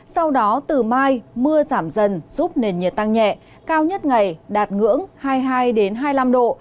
sau đó từ mai mưa giảm dần giúp nền nhiệt tăng nhẹ cao nhất ngày đạt ngưỡng hai mươi hai hai mươi năm độ